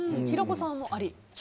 平子さんもあり。